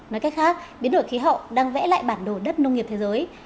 nói cách khác biến đổi khí hậu đang vẽ lại bản đồ đất nông nghiệp thế giới